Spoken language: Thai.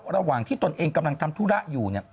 ระหว่างที่ตนเองกำลังทำธุระอยู่